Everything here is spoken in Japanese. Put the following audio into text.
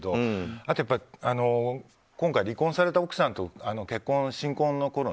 あとは、今回離婚された奥さんと新婚のころ